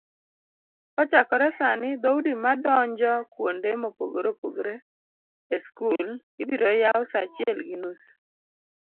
kochakore sani dhoudi madonjo kuonde mopogoreopogore e skul ibiroyaw saa achiel gi nus